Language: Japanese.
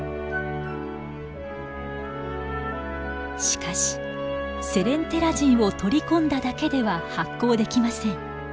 しかしセレンテラジンを取り込んだだけでは発光できません。